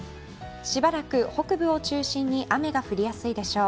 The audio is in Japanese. しばらく北部を中心に雨が降りやすいでしょう。